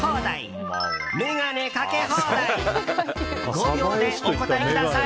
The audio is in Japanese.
５秒でお答えください！